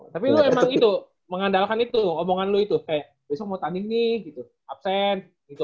tapi lo emang itu mengandalkan itu omongan lo itu kayak besok mau tanding nih gitu absen gitu